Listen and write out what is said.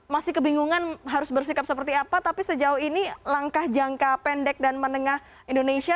masih kebingungan harus bersikap seperti apa tapi sejauh ini langkah jangka pendek dan menengah indonesia